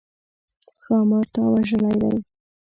ښامار تا وژلی دی؟